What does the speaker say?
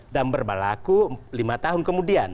dan berlaku lima tahun kemudian